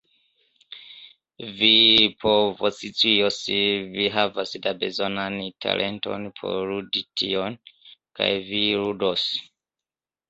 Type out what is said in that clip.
Vi povoscios, vi havas la bezonan talenton por ludi tion, kaj vi ludos.